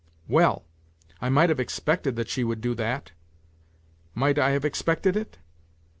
" Well ! I might have expected that she would do that. Might I have expected it